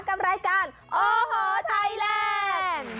กับรายการโอ้โหไทยแลนด์